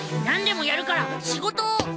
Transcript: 何でもやるから仕事を。